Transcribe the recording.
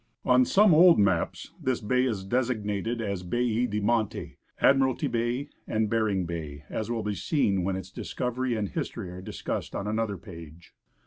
On some old maps this bay is designated as " Bale de Monti," "Admiralty bay " and " Bering bay," as will be seen when its discovery and history are discussed on another page.